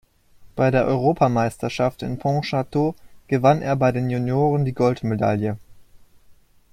Bei der Europameisterschaft in Pont-Châteu gewann er bei den Junioren die Goldmedaille.